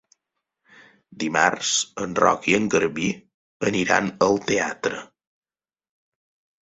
Dimarts en Roc i en Garbí aniran al teatre.